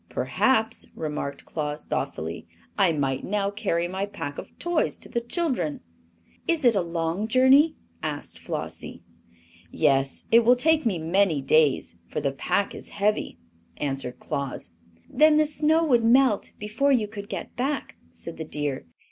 "Perhaps," remarked Claus, thoughtfully, "I might now carry my pack of toys to the children." "Is it a long journey?" asked Flossie. "Yes; it will take me many days, for the pack is heavy," answered Claus. "Then the snow would melt before you could get back," said the deer.